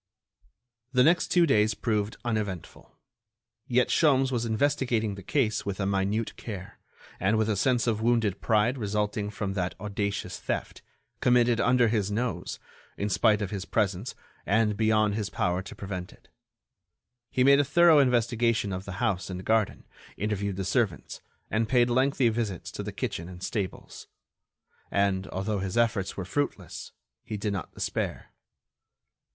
The next two days proved uneventful. Yet Sholmes was investigating the case with a minute care, and with a sense of wounded pride resulting from that audacious theft, committed under his nose, in spite of his presence and beyond his power to prevent it. He made a thorough investigation of the house and garden, interviewed the servants, and paid lengthy visits to the kitchen and stables. And, although his efforts were fruitless, he did not despair.